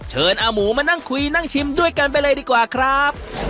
อาหมูมานั่งคุยนั่งชิมด้วยกันไปเลยดีกว่าครับ